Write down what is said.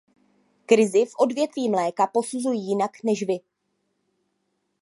Krizi v odvětví mléka posuzuji jinak než vy.